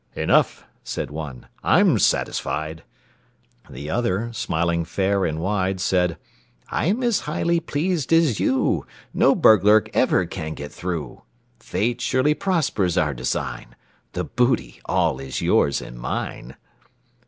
"Enough," said one: "I'm satisfied." The other, smiling fair and wide, Said: "I'm as highly pleased as you: No burglar ever can get through. Fate surely prospers our design The booty all is yours and mine."